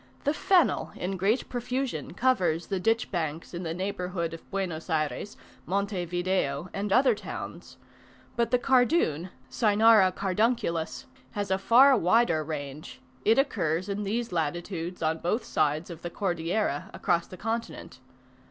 The fennel in great profusion covers the ditch banks in the neighbourhood of Buenos Ayres, Monte Video, and other towns. But the cardoon (Cynara cardunculus) has a far wider range: it occurs in these latitudes on both sides of the, Cordillera, across the continent.